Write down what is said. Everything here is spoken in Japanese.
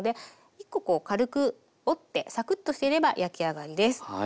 １コ軽く折ってサクッとしていれば焼き上がりです。